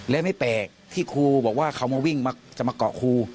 และไม่แปลกที่ครูบอกว่าเขามาวิ่งจะมาเกาะครู